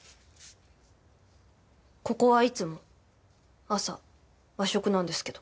ここはいつも朝和食なんですけど。